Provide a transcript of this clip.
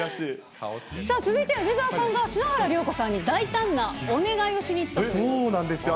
さあ続いては、梅澤さんが、篠原涼子さんに大胆なお願いをしに行ったそうで。